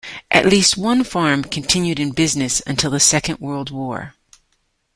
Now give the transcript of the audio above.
At least one farm continued in business until the Second World War.